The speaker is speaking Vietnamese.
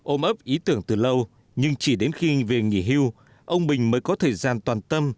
ôm ấp ý tưởng từ lâu nhưng chỉ đến khi về nghỉ hưu ông bình mới có thời gian toàn tâm